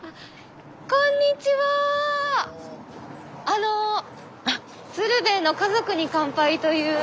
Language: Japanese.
あの「鶴瓶の家族に乾杯」という。